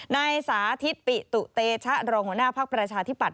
นายสาธิตปิตุเตชะรองหัวหน้าภักดิ์ประชาธิปัต